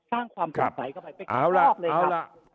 สร้างความสนใจเข้าไปไปครอบครอบเลยครับ